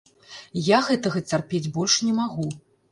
Я гэтага цярпець больш не магу!